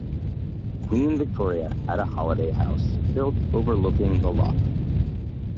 Queen Victoria had a holiday house built overlooking the loch.